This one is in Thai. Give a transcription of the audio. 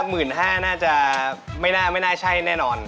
๑๕๐๐น่าจะไม่น่าใช่แน่นอน